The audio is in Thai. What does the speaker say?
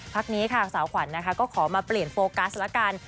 พักนี้ค่ะสาวขวัญนะคะก็ขอมาเปลี่ยนโฟกัสละกัน